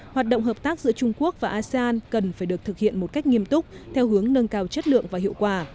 hoạt động hợp tác giữa trung quốc và asean cần phải được thực hiện một cách nghiêm túc theo hướng nâng cao chất lượng và hiệu quả